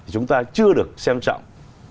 chúng ta chưa được xem trọng